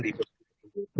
di proses tersebut